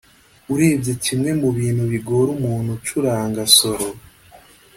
urebye kimwe mu bintu bigora umuntu ucuranga solo